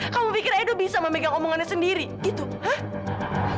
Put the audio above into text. kamu pikir edo bisa memegang omongannya sendiri gitu ha